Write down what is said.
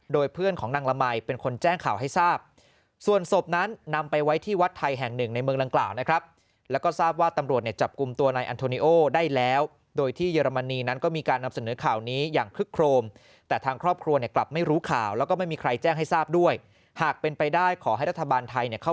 โดยเพื่อนของนางละมัยเป็นคนแจ้งข่าวให้ทราบส่วนศพนั้นนำไปไว้ที่วัดไทยแห่งหนึ่งในเมืองดังกล่าวนะครับแล้วก็ทราบว่าตำรวจเนี่ยจับกลุ่มตัวนายอันโทนิโอได้แล้วโดยที่เยอรมนีนั้นก็มีการนำเสนอข่าวนี้อย่างคึกโครมแต่ทางครอบครัวเนี่ยกลับไม่รู้ข่าวแล้วก็ไม่มีใครแจ้งให้ทราบด้วยหากเป็นไปได้ขอให้รัฐบาลไทยเนี่ยเข้า